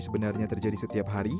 sebenarnya terjadi setiap hari